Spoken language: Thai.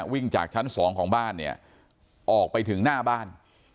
วิ่งจากชั้น๒ของบ้านเนี่ยออกไปถึงหน้าบ้าน